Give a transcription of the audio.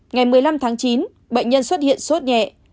ngày một mươi năm tháng chín bệnh nhân xuất hiện sốt nhẹ